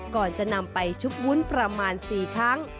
ก่อนจะนำไปชุบวุ้นประมาณ๔ครั้ง